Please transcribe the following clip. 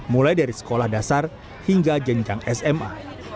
mulai dari sekolah dasar hingga jenjang sma